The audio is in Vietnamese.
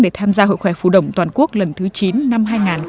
để tham gia hội khỏe phù đồng toàn quốc lần thứ chín năm hai nghìn một mươi sáu